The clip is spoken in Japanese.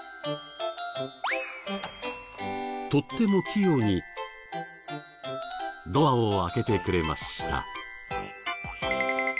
とっても器用にドアを開けてくれました。